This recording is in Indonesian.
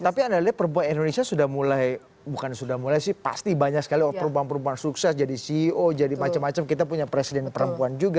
tapi anda lihat perempuan indonesia sudah mulai bukan sudah mulai sih pasti banyak sekali perempuan perempuan sukses jadi ceo jadi macam macam kita punya presiden perempuan juga